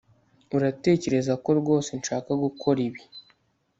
Uratekereza ko rwose nshaka gukora ibi